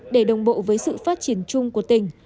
để đồng bộ với sự phát triển chung của tỉnh